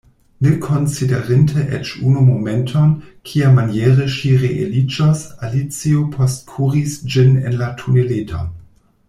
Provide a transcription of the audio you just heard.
Ne konsiderinte eĉ unu momenton, kiamaniere ŝi reeliĝos, Alicio postkuris ĝin en la tuneleton.